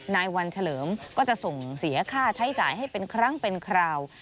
นายวันเฉลิมก็จะส่งเสียค่าใช้จ่ายให้เป็นครั้งเป็นคราว